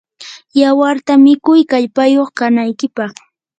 yawarta mikuy kallpayuq kanaykipaq.